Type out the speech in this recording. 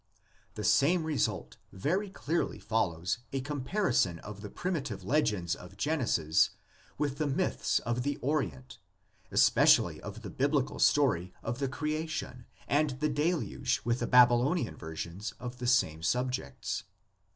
The same result very clearly follows a com parison of the primitive legends of Genesis with the myths of the Orient, especially of the biblical story of the creation and the Deluge with the Babylonian versions of the same subjects.